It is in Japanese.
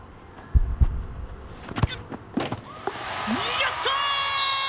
やった！